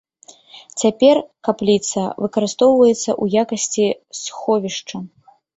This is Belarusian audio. Цяпер капліца выкарыстоўваецца ў якасці сховішча.